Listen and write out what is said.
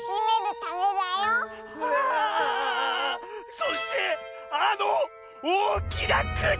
そしてあのおおきなくち！